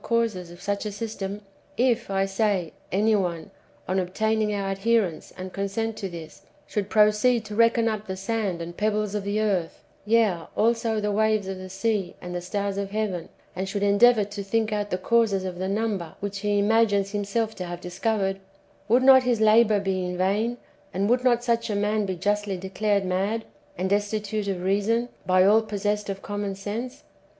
217 causes of such a system : if, [I sayj any one, on obtaining our adherence and consent to this, shoukl proceed to reckon up the sand and pebbles of the earth, yea also the waves of the sea and the stars of heaven, and should endeavour to think out the causes of the number which he imacrines him self to have discovered, would not his labour be in vain, and would not such a man be justly declared mad, and destitute of reason, by all possessed of common sense